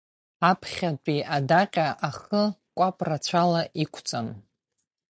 Аԥхьатәи адаҟьа ахы кәаԥ рацәала иқәҵан.